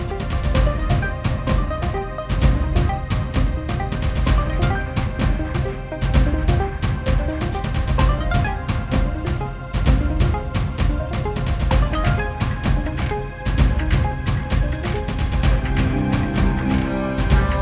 orang itu nyamin pertemuan las dia parah